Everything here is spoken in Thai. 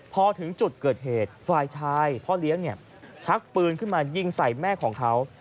พอถึงจุดเกิดเหตุฝ่ายชายพ่อเลี้ยงชักปืนขึ้นมายิงใส่แม่ของเขา